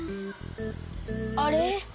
あれ？